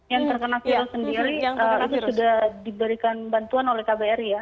yang terkena virus sendiri itu sudah diberikan bantuan oleh kbri ya